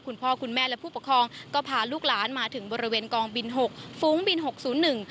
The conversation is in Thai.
คุณพ่อคุณแม่และผู้ปกครองก็พาลูกหลานมาถึงบริเวณกองบิน๖ฟุ้งบิน๖๐๑